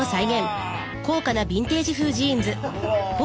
うわ。